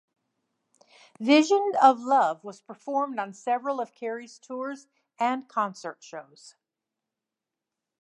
"Vision of Love" was performed on several of Carey's tours and concert shows.